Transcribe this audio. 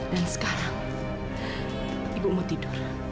dan sekarang ibu mau tidur